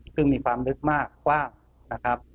ซึ่งมีความลึกมากกว้างนะครับ